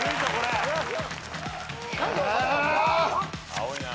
青いな。